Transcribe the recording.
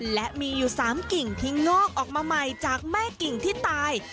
และมีอยู่๓กิ่งที่งอกออกมาใหม่จากแม่กิ่งที่ตาย